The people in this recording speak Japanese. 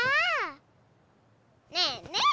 ねえねえ！